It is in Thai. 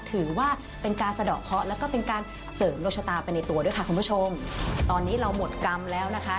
ถือว่าเป็นการสะดอกเคาะแล้วก็เป็นการเสริมดวงชะตาไปในตัวด้วยค่ะคุณผู้ชมตอนนี้เราหมดกรรมแล้วนะคะ